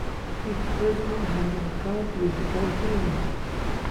Each prisoner has an account with the canteen.